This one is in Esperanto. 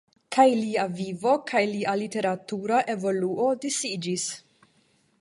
Kaj lia vivo kaj lia literatura evoluo disiĝis.